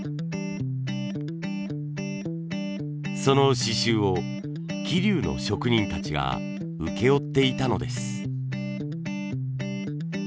その刺繍を桐生の職人たちが請け負っていたのです。